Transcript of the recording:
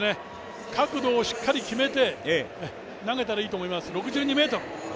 角度をしっかり決めて投げたらいいと思います。